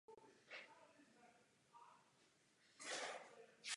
Studoval v Praze u Zdeňka Fibicha a stal se členem orchestru Národního divadla.